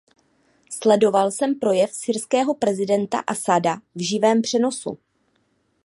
Sledoval jsem projev syrského prezidenta Asada v živém přenosu.